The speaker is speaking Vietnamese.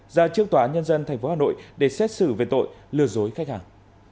ra trước tòa án nhân dân tp hà nội để xét xử về tội lừa dối khách hàng